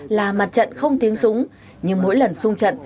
là mặt trận không tiếng súng nhưng mỗi lần sung trận